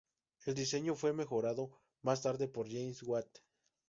El diseño fue mejorado más tarde por James Watt.